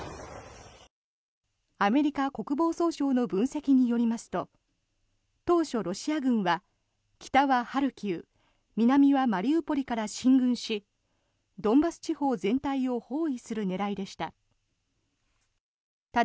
アメリカ国防総省の分析によりますと当初、ロシア軍は北はハルキウ南はマリウポリから進軍しドンバス地方全体を包囲する狙いでした。